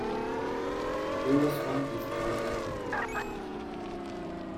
There was one difficulty, however.